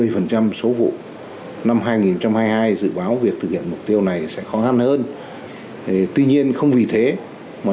một mươi phần trăm số vụ năm hai nghìn hai mươi hai dự báo việc thực hiện mục tiêu này sẽ khó hơn tuy nhiên không vì thế mà